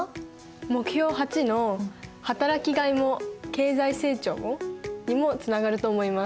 目標８の「働きがいも経済成長も」にもつながると思います。